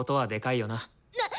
なっ！